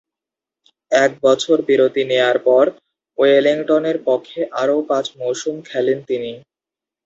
এক বছর বিরতি নেয়ার পর ওয়েলিংটনের পক্ষে আরও পাঁচ মৌসুম খেলেন তিনি।